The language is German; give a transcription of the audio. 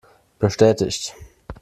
Bestätigt!